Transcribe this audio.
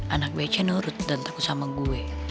anak bece nurut dan takut sama gue